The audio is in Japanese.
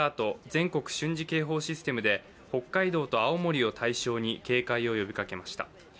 全国瞬時警報システムで北海道と青森を対象に警戒を呼びかけました。